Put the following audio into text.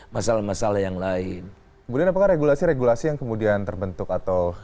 masalah masalah yang lain kemudian apakah regulasi regulasi yang kemudian terbentuk atau